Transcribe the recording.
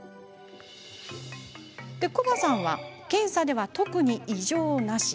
コバさんは検査では特に異常なし。